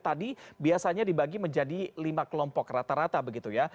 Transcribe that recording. tadi biasanya dibagi menjadi lima kelompok rata rata begitu ya